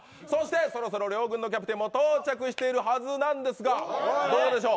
そろそろ両軍のキャプテンも到着しているはずなんですがどうでしょう。